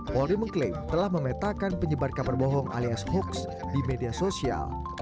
polri mengklaim telah memetakan penyebar kabar bohong alias hoax di media sosial